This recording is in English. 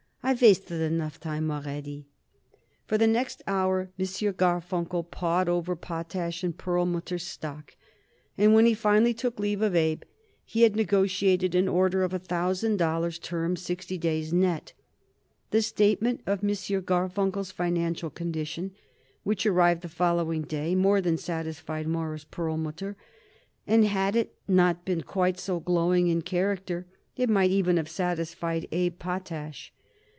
I wasted enough time already." For the next hour M. Garfunkel pawed over Potash & Perlmutter's stock, and when he finally took leave of Abe he had negotiated an order of a thousand dollars; terms, sixty days net. The statement of M. Garfunkel's financial condition, which arrived the following day, more than satisfied Morris Perlmutter and, had it not been quite so glowing in character, it might even have satisfied Abe Potash.